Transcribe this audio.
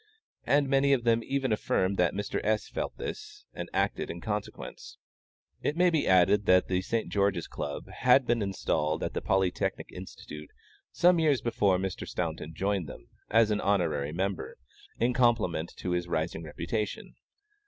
And many of them even affirm that Mr. S. felt this and acted in consequence. It may be added that the St. George's Chess Club had been installed at the Polytechnic Institution some years before Mr. Staunton joined them, as an honorary member, in compliment to his rising reputation.